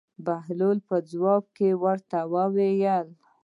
بهلول په ځواب کې ورته وایي.